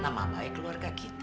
nama baik keluarga kita